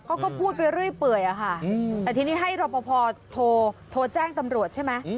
เขาก็พูดไปเรื่อยเปื่อยอะค่ะแต่ทีนี้ให้รอปภโทรแจ้งตำรวจใช่ไหม